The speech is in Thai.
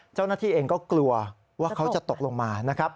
เจ้าหน้าที่เองก็กลัวว่าเขาจะตกลงมานะครับ